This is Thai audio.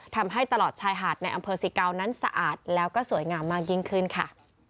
ทำให้ตลอดชายหาดในอำเภอสิเกานั้นสะอาดแล้วก็สวยงามมากยิ่งขึ้นค่ะ